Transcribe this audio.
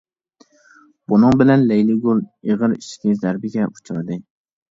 بۇنىڭ بىلەن لەيلىگۈل ئېغىر ئىچكى زەربىگە ئۇچرىدى.